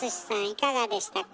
いかがでしたか？